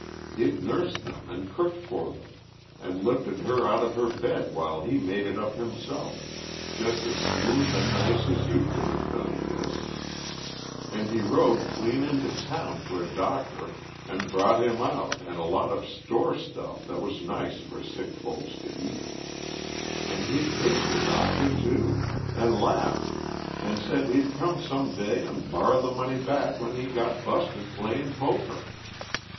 He'd nursed them and cooked for them, and lifted her out of her bed while he made it up himself, just as smooth and nice as you could have done, Miss. And he rode clean into town for a doctor, and brought him out and a lot of store stuff that was nice for sick folks to eat. And he'd paid the doctor, too, and laughed and said he'd come some day and borry the money back when he got busted playing poker!